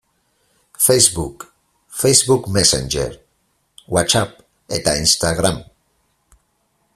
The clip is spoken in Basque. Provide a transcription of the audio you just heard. Facebook, Facebook Messenger, Whatsapp eta Instagram.